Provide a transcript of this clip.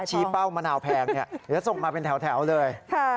ถ้าชี้เป้ามะนาวแพงจะส่งมาเป็นแถวเลย